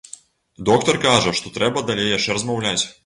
Доктар кажа, што трэба далей яшчэ размаўляць.